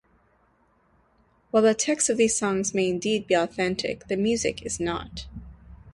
While the texts of these songs may indeed be authentic, the music is not.